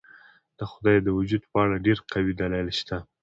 د خدای د وجود په اړه ډېر قوي دلایل شته.